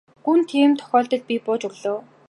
Гүн тийм тохиолдолд би бууж өглөө.